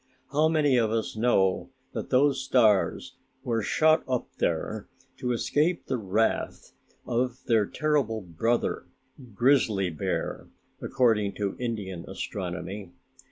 How many of us know that those stars were shot up there to escape the wrath of their terrible brother, Grizzly Bear, according to Indian astronomy.